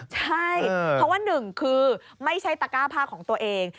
ใช่เพราะว่าหนึ่งคือไม่ใช่ตะก้าผ้าของตัวเอง